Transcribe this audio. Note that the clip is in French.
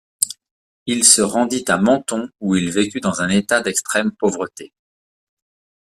Il se rendit à Menton, où il vécut dans un état d'extrême pauvreté.